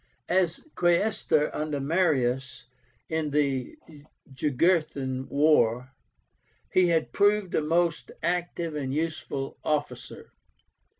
As Quaestor under Marius in the Jugurthine War, he had proved a most active and useful officer."